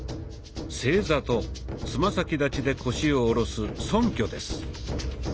「正座」とつま先立ちで腰を下ろす「そんきょ」です。